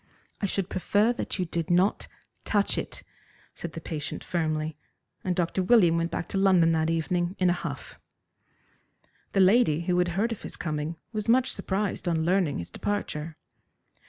"I should prefer that you did not touch it," said the patient firmly, and Dr. William went back to London that evening in a huff. The lady, who had heard of his coming, was much surprised on learning his departure.